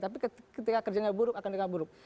tapi ketika kerjanya buruk akan dianggap buruk